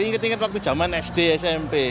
ingat ingat waktu zaman sd smp